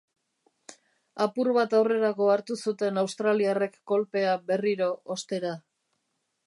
Apur bat aurrerago hartu zuten australiarrek kolpea berriro, ostera...